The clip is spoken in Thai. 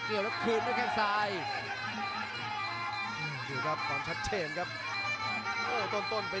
จังหวาดึงซ้ายตายังดีอยู่ครับเพชรมงคล